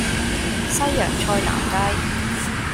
西洋菜南街